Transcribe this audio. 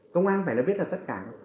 công an phải nó biết là tất cả